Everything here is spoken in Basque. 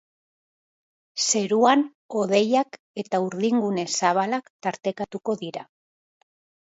Zeruan hodeiak eta urdingune zabalak tartekatuko dira.